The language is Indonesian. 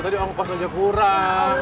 tadi ongkos aja kurang